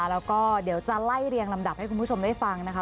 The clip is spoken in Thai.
แล้วก็เดี๋ยวจะไล่เรียงลำดับให้คุณผู้ชมได้ฟังนะคะ